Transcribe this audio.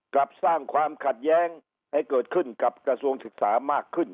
กลับสร้างความขัดแย้งให้เกิดขึ้นกับกระทรวงศึกษามากขึ้น